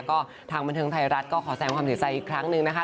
ก็ทางบันเทิงไทยรัฐก็ขอแสงความเสียใจอีกครั้งหนึ่งนะคะ